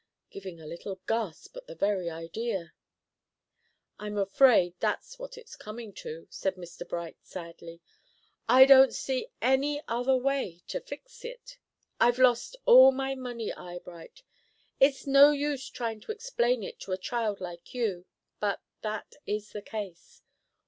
giving a little gasp at the very idea. "I'm afraid that's what it's coming to," said Mr. Bright, sadly. "I don't see any other way to fix it I've lost all my money, Eyebright. It is no use trying to explain it to a child like you, but that is the case.